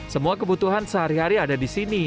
semua kebutuhan sehari hari ada di sini